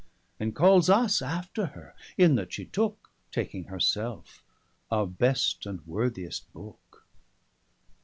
And cals us after her, in that shee tooke, (Taking her selfe) our best, and worthiest booke.